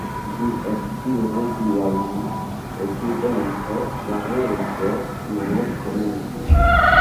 "Vi eldiru vian evidenco" la Reĝo nur komencis.